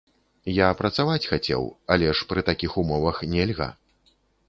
Я працаваць хацеў, але ж пры такіх умовах нельга.